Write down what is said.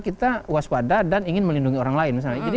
kita waspada dan ingin melindungi orang lain